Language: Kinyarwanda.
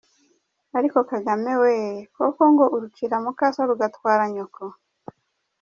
Ariko Kagame weee, koko ngo urucira mukaso rugatwara nyoko!